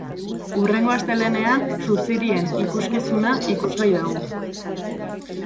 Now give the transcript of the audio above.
Hurrengo astelehenean suzirien ikuskizuna ikusgai dago.